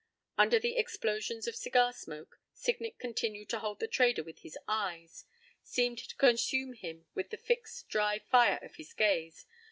p> Under the explosions of cigar smoke, Signet continued to hold the trader with his eyes; seemed to consume him with the fixed, dry fire of his gaze.